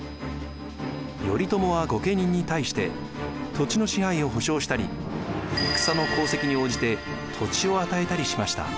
頼朝は御家人に対して土地の支配を保証したり戦の功績に応じて土地を与えたりしました。